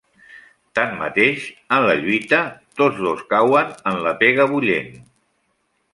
Tanmateix, en la lluita, tots dos cauen en la pega bullent.